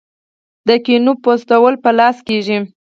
د کینو پوستول په لاس کیږي.